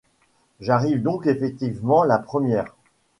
J'arrive donc effectivement la première.